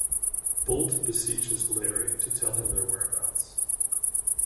Boult beseeches Larry to tell him their whereabouts.